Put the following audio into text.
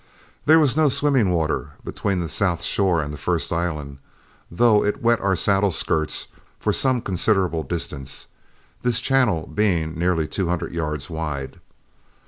There was no swimming water between the south shore and the first island, though it wet our saddle skirts for some considerable distance, this channel being nearly two hundred yards wide.